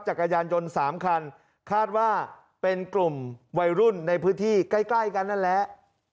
จักรยานยนต์๓คันคาดว่าเป็นกลุ่มวัยรุ่นในพื้นที่ใกล้ใกล้กันนั่นแหละ